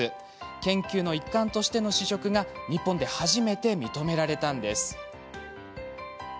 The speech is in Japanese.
研究の一環としての試食が日本で初めて認められたのです。